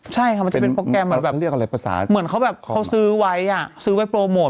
ใช่ค่ะมันจะเป็นโปรแกรมแบบเหมือนเขาซื้อไว้ซื้อไว้โปรโมท